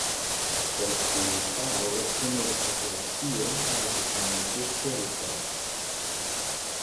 Porque el tao es como el espacio vacío para que se manifieste el todo.